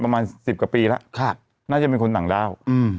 ประมาณสิบกว่าปีแล้วน่าจะเป็นคนต่างด้าว